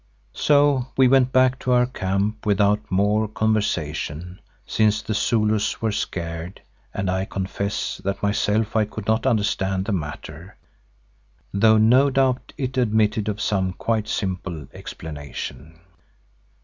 So we went back to our camp without more conversation, since the Zulus were scared and I confess that myself I could not understand the matter, though no doubt it admitted of some quite simple explanation.